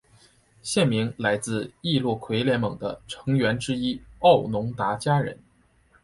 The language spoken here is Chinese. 县名来自易洛魁联盟的成员之一奥农达加人。